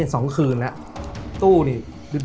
สองคืนแล้วตู้นี่